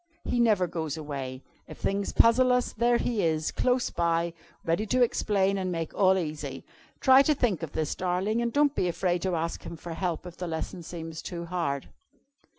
He never goes away. If things puzzle us, there He is, close by, ready to explain and make all easy. Try to think of this, darling, and don't be afraid to ask Him for help if the lesson seems too hard."